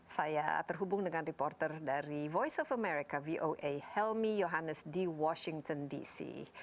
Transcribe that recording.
saya terhubung dengan reporter dari voice of america voa helmy yohannes di washington dc